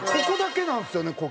ここだけなんですよね。